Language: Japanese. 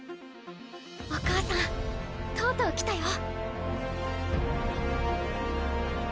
お母さんとうとう来たよ。